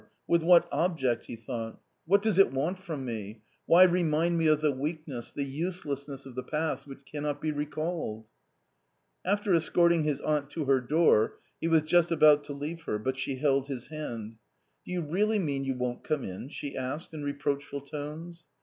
with what object ?" he thought ;" what does A COMMON STORY 225 it want from me ? why remind me of the weakness, the use lessness of the past, which cannot be recalled ?" After escorting his aunt to her door, he was just about to leave her, but she held his hand. " Do you really mean you won't come in ?" she asked in reproachful tones.